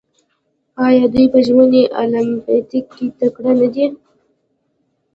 آیا دوی په ژمني المپیک کې تکړه نه دي؟